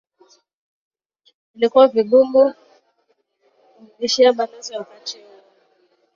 Ilikuwa vigumu kumbishia balozi wakati huo